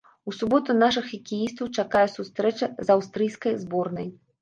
У суботу нашых хакеістаў чакае сустрэча з аўстрыйскай зборнай.